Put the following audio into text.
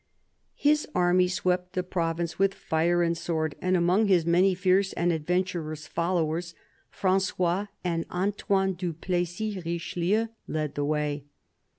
His army swept the province with fire and sword, and among his many fierce and adventurous followers FranQois and Antoine du Plessis Richelieu led the way.